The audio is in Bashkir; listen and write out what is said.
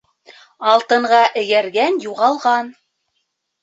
Алтынға эйәргән юғалған